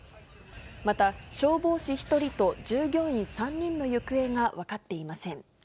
また、消防士１人と従業員３人の行方が分かっていません。